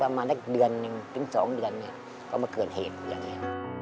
ประมาณได้เดือนหนึ่งถึงสองเดือนก็มาเกิดเหตุอย่างนี้